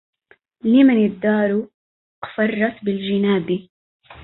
لمن الدار أقفرت بالجناب